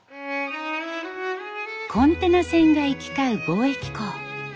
コンテナ船が行き交う貿易港。